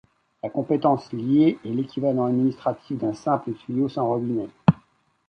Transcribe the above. La compétence liée est l'équivalent administratif d'un simple tuyau sans robinet.